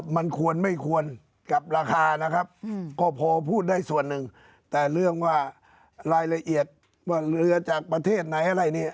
มันควรไม่ควรกับราคานะครับก็พอพูดได้ส่วนหนึ่งแต่เรื่องว่ารายละเอียดว่าเรือจากประเทศไหนอะไรเนี่ย